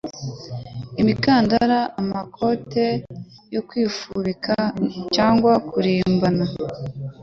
imikandara, amakote yo kwifubika cyangwa kurimbana